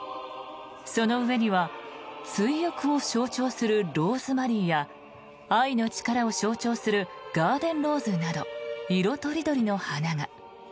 その上には「追憶」を象徴するローズマリーや「愛の力」を象徴するガーデンローズなど色とりどりの花が。